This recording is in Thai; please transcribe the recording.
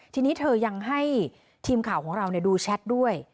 ทีนี้เธอยังให้ทีมข่าวของเราดูแชทด้วย